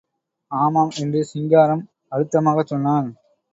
ஆமாம் என்று சிங்காரம் அழுத்தமாகச் சொன்னான்.